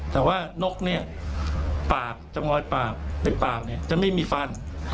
แต่ว่านกเนี่ยปากจะงอยปากในปากเนี่ยจะไม่มีฟัน